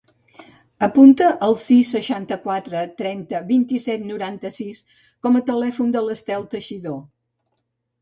Apunta el sis, seixanta-quatre, trenta, vint-i-set, noranta-sis com a telèfon de l'Estel Teixidor.